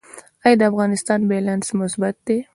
آیا د افغانستان بیلانس مثبت دی؟